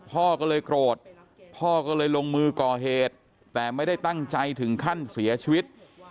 พ่อก็เลยโกรธพ่อก็เลยลงมือก่อเหตุแต่ไม่ได้ตั้งใจถึงขั้นเสียชีวิต